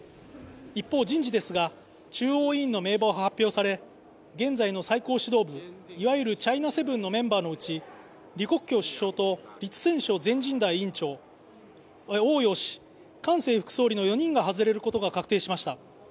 一方、人事ですが、中央委員の名簿が発表され、現在の最高指導部、いわゆるチャイナセブンのメンバーのうち、李克強首相と栗戦書全人代委員長、汪洋氏、韓正副総理の４人が外れることが確定しました。